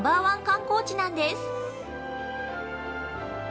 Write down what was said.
観光地なんです。